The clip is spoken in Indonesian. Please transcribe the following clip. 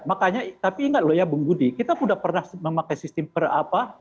makanya tapi ingat ya bu budi kita pernah memakai sistem per apa